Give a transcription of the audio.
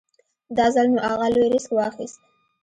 دا ځل نو اغه لوی ريسک واخېست.